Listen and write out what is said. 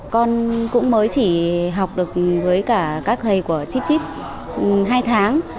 con cũng mới chỉ học được với cả các thầy của chipchip hai tháng